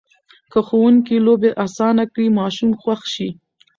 که ښوونکي لوبې اسانه کړي، ماشوم خوښ شي.